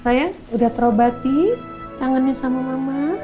sayang udah terobati tangannya sama mama